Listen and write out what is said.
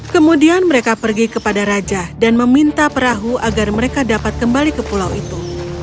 kemudian mereka pergi kepada raja dan meminta perahu agar mereka dapat kembali ke pulau itu